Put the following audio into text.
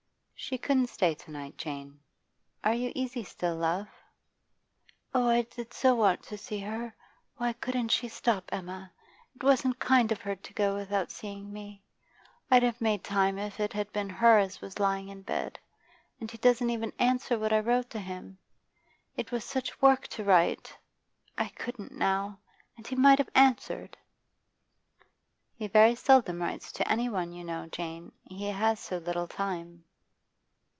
'She couldn't stay to night, Jane. Are you easy still, love?' 'Oh, I did so want to see her. Why couldn't she stop, Emma? It wasn't kind of her to go without seeing me. I'd have made time if it had been her as was lying in bed. And he doesn't even answer what I wrote to him. It was such work to write I couldn't now; and he might have answered.' 'He very seldom writes to any one, you know, Jane. He has so little time.